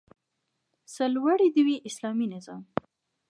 سرلوړی دې وي اسلامي نظام